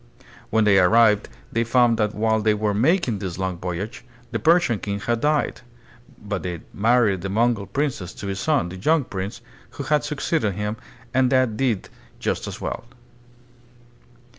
. When they arrived they found that while they were making this long voyage the Persian king had died ; but they married the Mongol princess to his son, the young prince, who had succeeded him, and that did just as well.